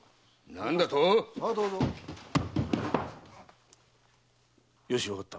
何だと⁉よしわかった。